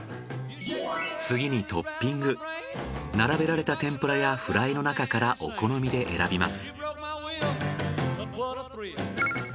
次にトッピング並べられた天ぷらやフライの中からお好みで選びます。